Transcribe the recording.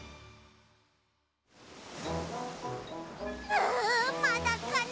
うまだかな。